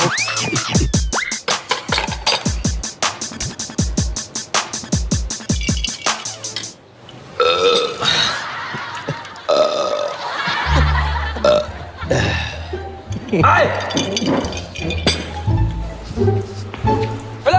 ไป